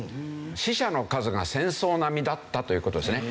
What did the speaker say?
死者の数が戦争並みだったという事ですね。